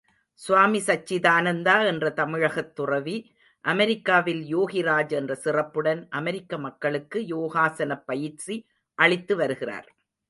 சுவாமி சச்சிதானந்தா என்ற தமிழகத்துத் துறவி, அமெரிக்காவில் யோகிராஜ் என்ற சிறப்புடன் அமெரிக்க மக்களுக்கு யோகாசனப் பயிற்சி அளித்துவருகிறார்.